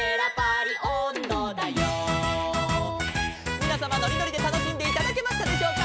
「みなさまのりのりでたのしんでいただけましたでしょうか」